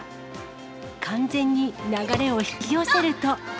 完全に流れを引き寄せると。